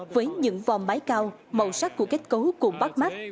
với những vòm mái cao màu sắc của kết cấu cũng bắt mắt